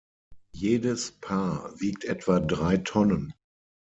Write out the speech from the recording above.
Jedes Paar wiegt etwa drei Tonnen.